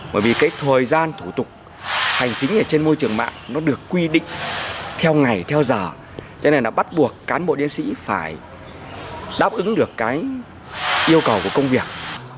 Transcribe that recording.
bởi vì thời gian thủ tục hành chính trên môi trường mạng được quy định theo ngày theo giờ cho nên bắt buộc cán bộ diễn sĩ phải đáp ứng được yêu cầu của công việc